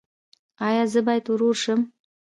ایا زه باید ورور شم؟